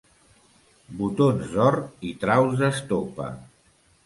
Botons d'or i traus d'estopa.